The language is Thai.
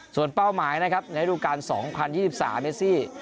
ส่วนเป้าหมายนะครับในรูปการ๒๐๒๓เมซี่